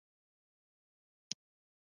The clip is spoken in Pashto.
پاچا تل له خپله واک څخه ناوړه ګټه اخلي .